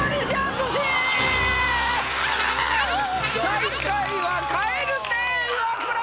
最下位は蛙亭イワクラ！